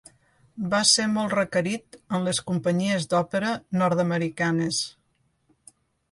Va ser molt requerit en les companyies d'òpera nord-americanes.